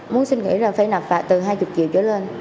muốn suy nghĩ là phải nạp vạ từ hai mươi triệu cho lên